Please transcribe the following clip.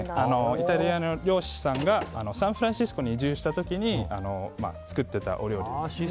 イタリアの漁師さんがサンフランシスコに移住した時に作っていたお料理です。